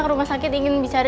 kalau kita gak nuduh lo